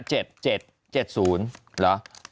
๗๐เหรอ๗๗